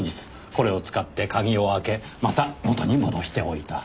これを使って鍵を開けまた元に戻しておいた。